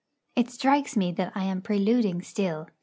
It strikes me that I am preluding still.